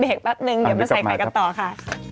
อีกแป๊บนึงเดี๋ยวมาใส่ไข่กันต่อค่ะ